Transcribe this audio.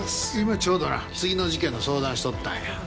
今ちょうどな次の事件の相談しとったんや。